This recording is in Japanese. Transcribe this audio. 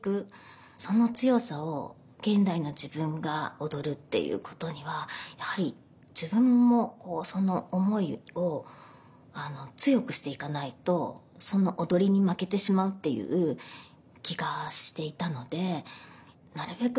その強さを現代の自分が踊るっていうことにはやはり自分もその思いを強くしていかないとその踊りに負けてしまうっていう気がしていたのでなるべく